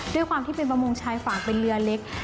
ด้วยความที่เป็นประมงชายฝั่งเป็นเรือเล็ก